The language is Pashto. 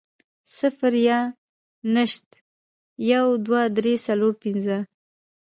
صفر يا نشت, يو, دوه, درې, څلور, پنځه